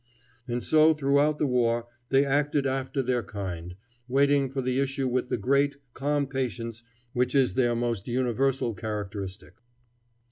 And so throughout the war they acted after their kind, waiting for the issue with the great, calm patience which is their most universal characteristic.